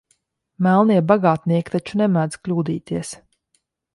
Melnie bagātnieki taču nemēdz kļūdīties.